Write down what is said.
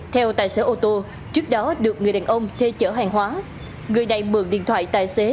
theo tài xế ô tô trước đó được người đàn ông thuê chở hàng hóa người này mượn điện thoại tài xế